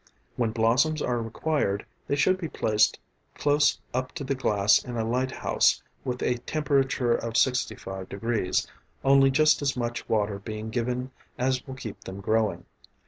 When blossoms are required, they should be placed close up to the glass in a light house with a temperature of 65┬░, only just as much water being given as will keep them growing.